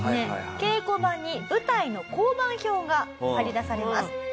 稽古場に舞台の香盤表が貼り出されます。